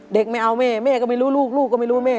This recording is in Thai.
ไม่เอาแม่แม่ก็ไม่รู้ลูกลูกก็ไม่รู้แม่